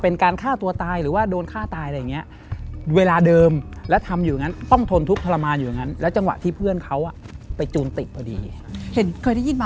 สองคนเห็นสองเหตุการณ์เลยนะอืม